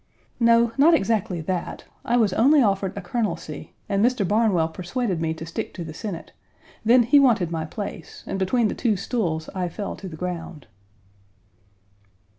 "No, not exactly that, I was only offered a colonelcy, and Mr. Barnwell persuaded me to stick to the Senate; then he Page 164 wanted my place, and between the two stools I fell to the ground."